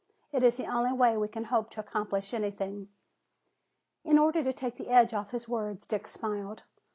It is the only way we can hope to accomplish anything." In order to take the edge off his words Dick smiled.